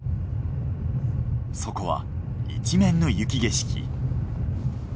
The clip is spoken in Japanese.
そこは一面の雪景色。